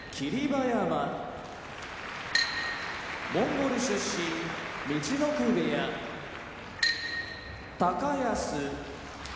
馬山モンゴル出身陸奥部屋高安